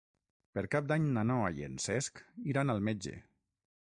Per Cap d'Any na Noa i en Cesc iran al metge.